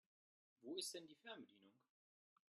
Wo ist denn die Fernbedienung?